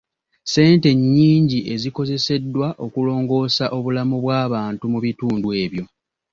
Ssente nnyingi zikozeseddwa okulongoosa obulamu bw'abantu mu bitundu ebyo.